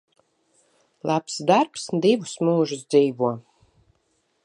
Labs darbs divus mūžus dzīvo.